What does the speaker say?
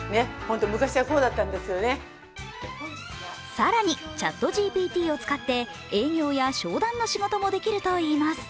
更に、ＣｈａｔＧＰＴを使って営業や商談の仕事もできるといいます。